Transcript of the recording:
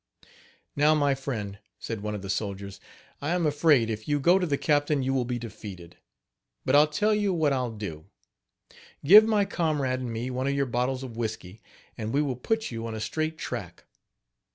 "Now my friend," said one of the soldiers, "I am afraid if you go to the captain you will be defeated. But I'll tell you what I'll do. Give my comrade and me one of your bottles of whisky, and we will put you on a straight track.